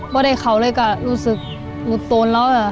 พอได้เขาเลยก็รู้สึกหมดตนแล้ว